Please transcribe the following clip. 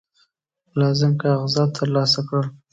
لازم کاغذات ترلاسه کړل.